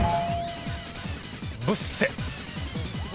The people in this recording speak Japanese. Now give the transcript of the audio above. ブッセ。